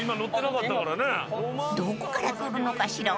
［どこから来るのかしら？］